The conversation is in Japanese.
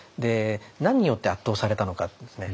何によって圧倒されたのかですね